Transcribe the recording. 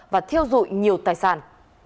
và thiêu dụi nhiều tài sản